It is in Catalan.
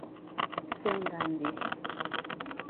Ser un dandi.